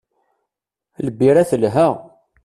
Lbira telha.